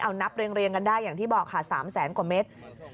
เอานับเรียงกันได้อย่างที่บอกค่ะ๓แสนกว่าเมตร